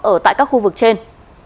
ở tại các khu vực trên